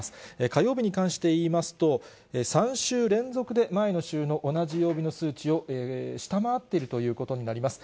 火曜日に関して言いますと、３週連続で前の週の同じ曜日の数値を下回っているということになります。